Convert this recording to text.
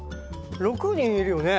６にんいるよね？